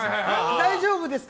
大丈夫ですか？